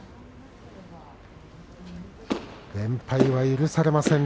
連敗は許されません